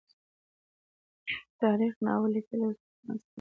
تاریخي ناول لیکل یو ستونزمن کار دی.